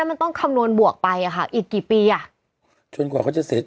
มันต้องคำนวณบวกไปอ่ะค่ะอีกกี่ปีอ่ะจนกว่าเขาจะเสร็จ